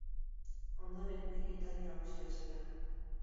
Ondoren, ekitaldi nagusia hasi da.